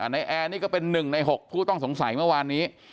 นายแอร์นี่ก็เป็นหนึ่งในหกผู้ต้องสงสัยเมื่อวานนี้